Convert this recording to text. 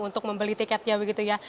untuk membeli tiketnya begitu ya